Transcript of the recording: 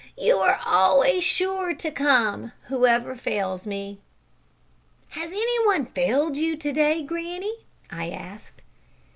"You are always sure to come, whoever fails me." "Has any one failed you to day, granny?" I asked.